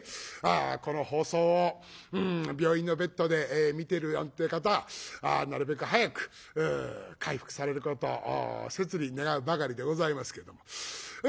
この放送を病院のベッドで見てるなんて方なるべく早く回復されることを切に願うばかりでございますけども。